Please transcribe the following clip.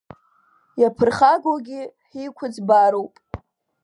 Иаԥырхагоугьы ҳиқәыӡбароуп.